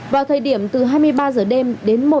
vào thời điểm từ hai mươi ba h đêm đến